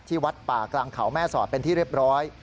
วัดป่ากลางเขาแม่สอดเป็นที่เรียบร้อย